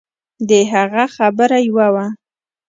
د هغه خبره يوه وه.